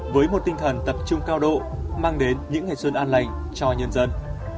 với một tinh thần tập trung cao độ mang đến những ngày xuân an lành cho nhân dân